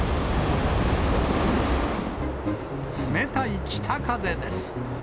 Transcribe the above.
冷たい北風です。